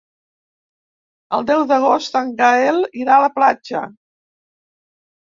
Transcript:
El deu d'agost en Gaël irà a la platja.